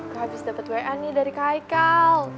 gue habis dapet wa nih dari kaikal